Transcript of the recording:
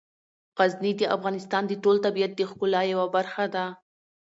غزني د افغانستان د ټول طبیعت د ښکلا یوه برخه ده.